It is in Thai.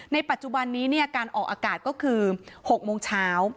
ปัจจุบันนี้การออกอากาศก็คือ๖โมงเช้า